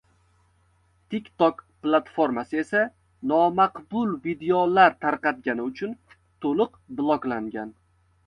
TikTok platformasi esa nomaqbul videolar tarqatgani uchun to‘liq bloklangan.